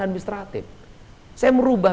administratif saya merubah